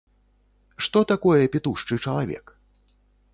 Што такое пітушчы чалавек?